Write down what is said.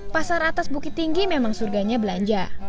pasar atas bukit tinggi memang surganya belanja